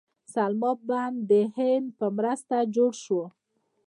سلما بند د هند په مرسته جوړ شو